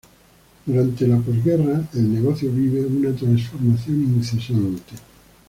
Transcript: Durante la posguerra el negocio vive una transformación incesante.